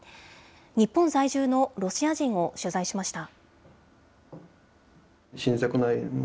日本在住のロシア人を取材しました。